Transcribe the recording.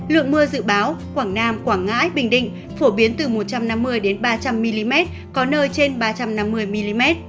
lượng mưa dự báo quảng nam quảng ngãi bình định phổ biến từ một trăm năm mươi ba trăm linh mm có nơi trên ba trăm năm mươi mm